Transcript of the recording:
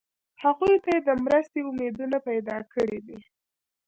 هغوی ته یې د مرستې امیدونه پیدا کړي دي.